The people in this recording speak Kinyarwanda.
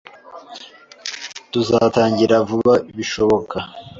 Tuzatangira vuba bishoboka